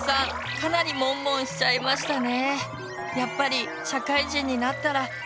かなりモンモンしちゃいましたね。